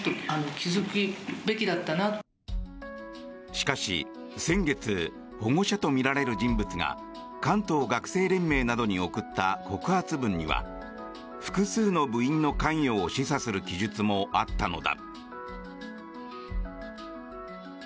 しかし、先月保護者とみられる人物が関東学生連盟などに送った告発文には複数の部員の関与を示唆する記述もあったのだ。